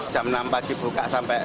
jam enam pagi buka sampai dua belas